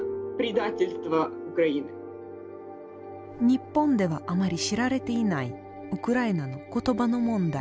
日本ではあまり知られていないウクライナの言葉の問題。